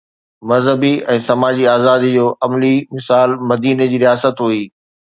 مذهبي ۽ سماجي آزادي جو عملي مثال مديني جي رياست هئي